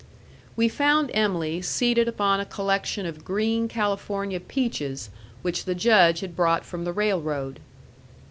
We found Em'ly seated upon a collection of green California peaches, which the Judge had brought from the railroad.